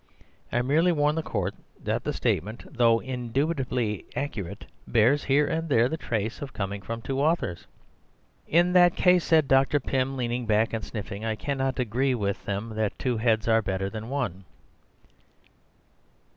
I merely warn the Court that the statement, though indubitably accurate, bears here and there the trace of coming from two authors." "In that case," said Dr. Pym, leaning back and sniffing, "I cannot agree with them that two heads are better than one."